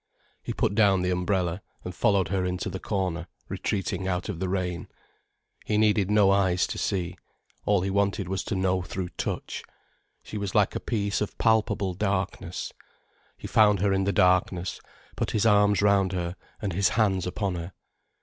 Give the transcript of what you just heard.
He put down the umbrella, and followed her into the corner, retreating out of the rain. He needed no eyes to see. All he wanted was to know through touch. She was like a piece of palpable darkness. He found her in the darkness, put his arms round her and his hands upon her.